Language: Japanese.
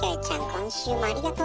今週もありがとう。